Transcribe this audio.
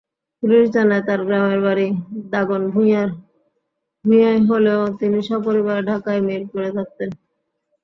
Police জানায়, তাঁর গ্রামের বাড়ি দাগনভূঞায় হলেও তিনি সপরিবারে ঢাকার মিরপুরে থাকতেন।